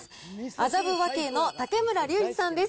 麻布和敬の竹村竜二さんです。